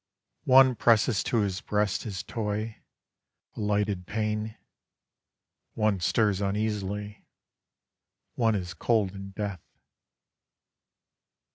One presses to his breast his toy, a lighted pane: One stirs uneasily: one is cold in death.